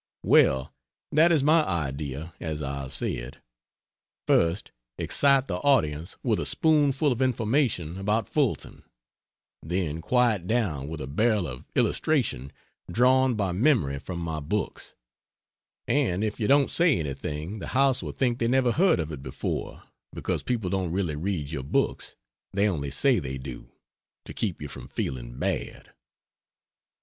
Well, that is my idea, as I have said: first, excite the audience with a spoonful of information about Fulton, then quiet down with a barrel of illustration drawn by memory from my books and if you don't say anything the house will think they never heard of it before, because people don't really read your books, they only say they do, to keep you from feeling bad.